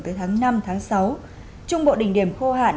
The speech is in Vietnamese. tới tháng năm sáu trung bộ đỉnh điểm khô hạn